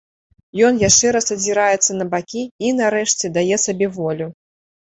Ён яшчэ раз азіраецца на бакі і, нарэшце, дае сабе волю.